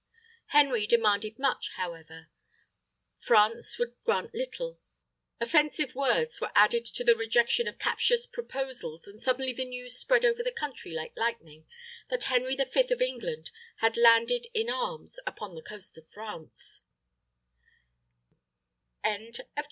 Henry demanded much, however; France would grant little; offensive words were added to the rejection of captious proposals and suddenly the news spread over the country like lightning, that Henry the Fifth of England had landed in arms upon the coast of France.